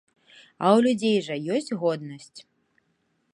А ў людзей жа ёсць годнасць.